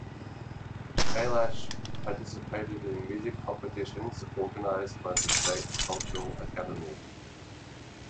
Kailash participated in music competitions organised by the state cultural academy.